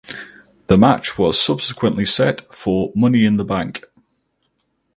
The match was subsequently set for Money in the Bank.